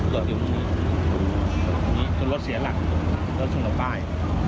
โดดอยู่ตรงนี้ตรงนี้คือรถเสียหลักรถชุ่มต่อใต้